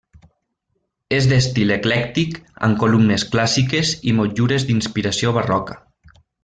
És d'estil eclèctic, amb columnes clàssiques i motllures d'inspiració barroca.